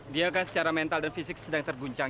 dia kan secara mental dan fisik sedang terguncang